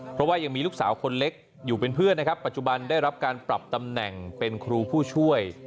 เพราะว่ายังมีลูกสาวคนเล็กอยู่เป็นเพื่อนนะครับปัจจุบันได้รับการปรับตำแหน่งเป็นครูผู้ช่วย